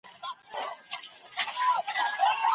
طالبان زما په ګټه خوشحال کېدل .